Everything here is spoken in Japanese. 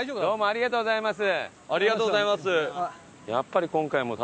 ありがとうございます。